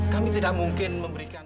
kami tidak mungkin memberikan